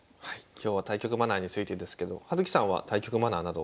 今日は対局マナーについてですけど葉月さんは対局マナーなど完璧ですか？